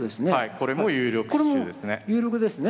これも有力ですね。